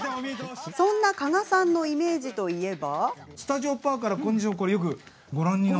そんな加賀さんのイメージといえば。